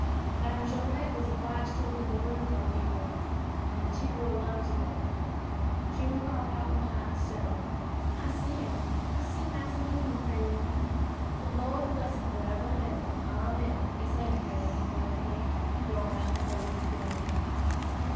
Madame Joilet was obliged to leave the room for a few minutes, and the two were alone together. June crawled out from behind the stove. "I see him, I see Massa Linkum, Creline." "De Lord bress him foreber'n eber. Amen!" exclaimed Creline fervently, throwing up her old thin hands.